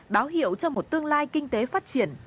báo hiệu cho một tương lai kinh tế phát triển